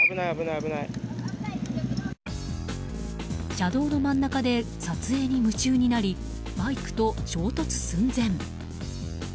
車道の真ん中で撮影に夢中になりバイクと衝突寸前。